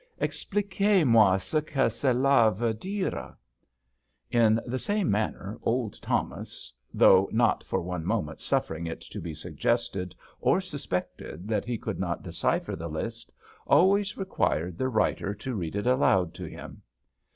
Expliquez moi ce que cek veut dire/' In the same manner old Thomas, though not for one moment suffering it to be suggested or suspected that he could not decipher the list, always required the writer to read it aloud to him.